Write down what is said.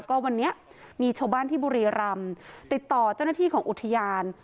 ก็วันนี้มีชาวบ้านที่บุรีรำติดต่อเจ้าหน้าที่ของอุทยาน